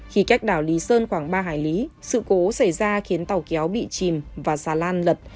khi cách đảo lý sơn khoảng ba hải lý sự cố xảy ra khiến tàu kéo bị chìm và xà lan lật